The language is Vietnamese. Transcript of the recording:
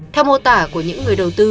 theo mô tả của những người đầu tư